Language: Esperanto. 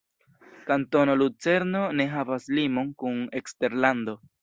Kantono Lucerno ne havas limon kun eksterlando.